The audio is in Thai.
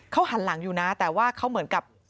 เขาหันหลังอยู่นะแต่ว่าเขาเหมือนกับ